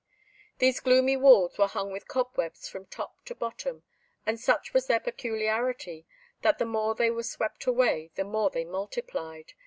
These gloomy walls were hung with cobwebs from top to bottom, and such was their peculiarity, that the more they were swept away the more they multiplied.